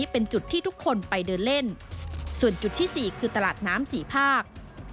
เป็นจุดที่ทุกคนไปเดินเล่นส่วนจุดที่๔คือตลาดน้ำสี่ภาค